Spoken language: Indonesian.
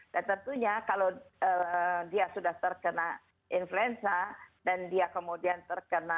dan tentunya kalau dia sudah terkena influenza dan dia kemudian terkena